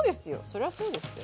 それはそうですよ。